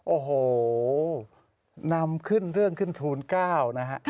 โอ้โหนำขึ้นเรื่องขึ้นทูล๙นะฮะ